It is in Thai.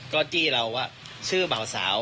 ก็จี้เราว่าชื่อเบาสาว